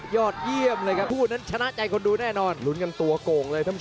เยี่ยมกว่าแก้วแต้ม